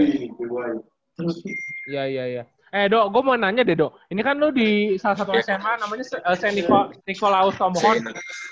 iya iya iya eh do gue mau nanya deh do ini kan lu di salah satu sma namanya st nicholas tomahorn